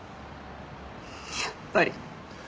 やっぱり。